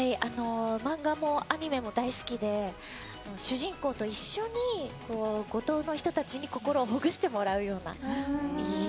漫画もアニメも大好きで主人公と一緒に五島の人たちに心をほぐしてもらうような。